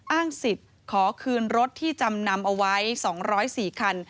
อ้างสิทธิ์ขอคืนรถที่จำนำเอาไว้๒๐๔คัน